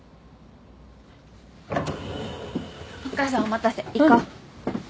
・お母さんお待たせ行こう。